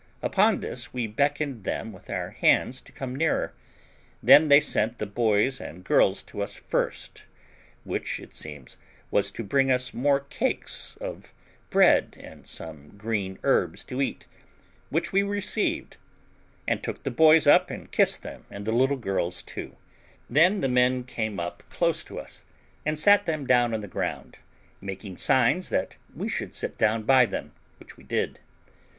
Upon this we beckoned them with our hands to come nearer; then they sent the boys and girls to us first, which, it seems, was to bring us more cakes of bread and some green herbs to eat, which we received, and took the boys up and kissed them, and the little girls too; then the men came up close to us, and sat them down on the ground, making signs that we should sit down by them, which we did.